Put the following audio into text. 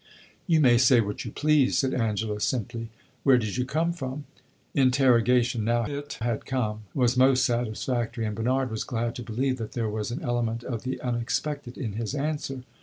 "You may say what you please," said Angela, simply. "Where did you come from?" Interrogation, now it had come, was most satisfactory, and Bernard was glad to believe that there was an element of the unexpected in his answer.